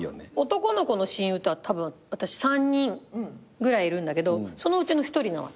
男の子の親友私３人ぐらいいるんだけどそのうちの１人なわけ。